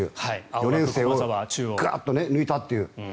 ４年生をガッと抜いたという。